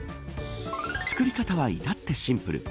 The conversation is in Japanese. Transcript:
作り方は至ってシンプル。